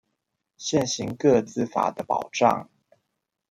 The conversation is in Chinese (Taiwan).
現行個資法的保障